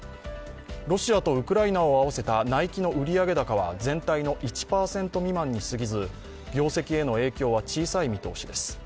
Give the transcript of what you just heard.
ロシアとウクライナを合わせたナイキの売上高は全体の１％未満にすぎず業績への影響は小さい見通しです。